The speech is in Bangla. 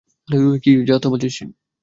কী যা-তা বলছিস?